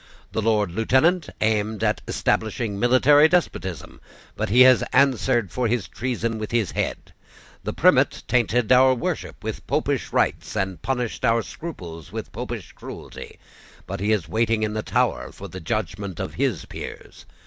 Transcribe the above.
The Lord Lieutenant aimed at establishing military despotism; but he has answered for his treason with his head. The Primate tainted our worship with Popish rites and punished our scruples with Popish cruelty; but he is awaiting in the Tower the judgment of his peers.